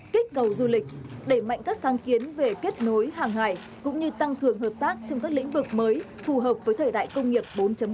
kích cầu du lịch đẩy mạnh các sáng kiến về kết nối hàng hải cũng như tăng cường hợp tác trong các lĩnh vực mới phù hợp với thời đại công nghiệp bốn